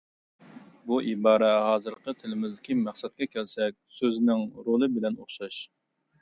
بۇ ئىبارە ھازىرقى تىلىمىزدىكى «مەقسەتكە كەلسەك» سۆزىنىڭ رولى بىلەن ئوخشاش.